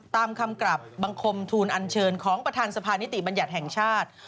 ตามคำกลับบังคมทูลอันเชิญของประธานสภานิติบัญญัติแห่งชาติ